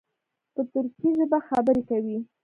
په ترکي ژبه خبرې کوي.